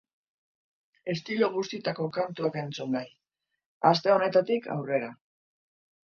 Estilo guztietako kantuak entzungai, aste honetatik aurrera.